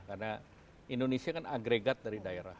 karena indonesia kan agregat dari daerah